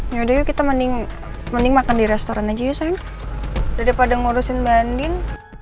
yaudah yuk kita mending makan di restoran aja yuk saya daripada ngurusin banding